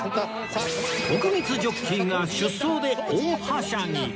徳光ジョッキーが出走で大はしゃぎ